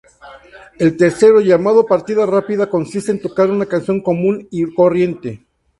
El tercero llamado partida rápida consiste en tocar una canción común y corriente.